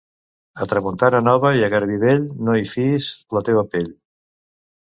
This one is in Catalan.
A tramuntana nova i a garbí vell, no hi fiïs la teva pell.